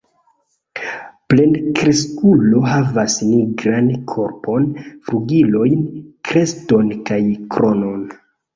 Plenkreskulo havas nigrajn korpon, flugilojn, kreston kaj kronon.